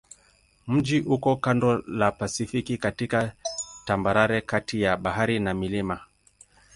Mji uko kando la Pasifiki katika tambarare kati ya bahari na milima.